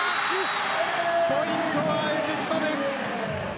ポイントはエジプトです。